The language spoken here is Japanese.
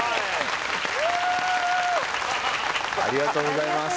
ありがとうございます